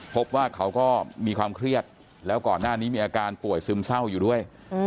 พบว่าเขาก็มีความเครียดแล้วก่อนหน้านี้มีอาการป่วยซึมเศร้าอยู่ด้วย